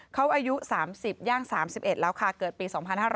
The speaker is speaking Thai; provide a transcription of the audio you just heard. เขาอายุ๓๐ย่าง๓๑แล้วค่ะเกิดปี๒๕๕๙